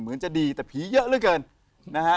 เหมือนจะดีแต่ผีเยอะเหลือเกินนะฮะ